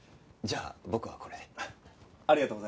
じゃあ僕はこれで。